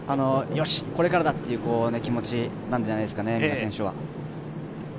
よし、これからだ！という気持ちなんじゃないですかね、選手は。